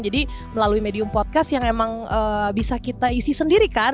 jadi melalui medium podcast yang emang bisa kita isi sendiri kan